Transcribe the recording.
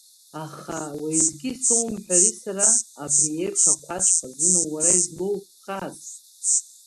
Аха, уеизгьы исоумҳәари сара, абри еиԥш ақәацә хазына уара излоутәхаз?